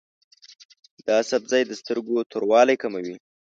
دا سبزی د سترګو توروالی کموي.